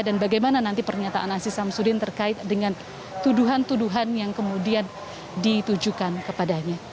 dan bagaimana nanti pernyataan aziz syamsuddin terkait dengan tuduhan tuduhan yang kemudian ditujukan kepadanya